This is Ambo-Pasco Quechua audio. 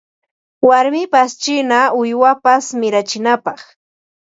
Warmipas china uywapas mirachinapaq